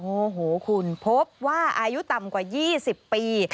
โอ้โหคุณพบว่าอายุต่ำกว่า๒๐ปี